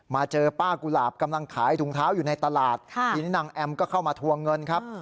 เจอป้ากุหลาบกำลังขายถุงเท้าอยู่ในตลาดทีนี้นางแอมก็เข้ามาทวงเงินครับ